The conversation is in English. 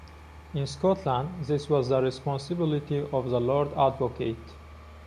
In Scotland, this was the responsibility of the Lord Advocate.